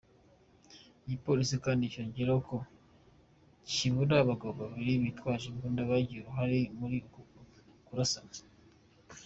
Igipolisi kandi cyongeyeho ko byibura abagabo babiri bitwaje imbunda bagize uruhare muri uko kurasana.